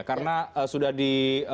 karena sudah di